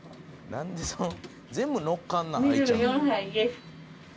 全部のっかるな愛ちゃん。